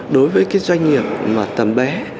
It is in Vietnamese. đối với cái doanh nghiệp mà tầm bé